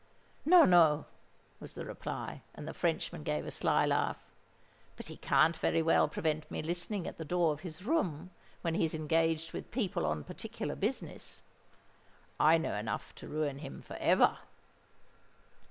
"No—no," was the reply; and the Frenchman gave a sly laugh. "But he can't very well prevent me listening at the door of his room, when he's engaged with people on particular business. I know enough to ruin him for ever."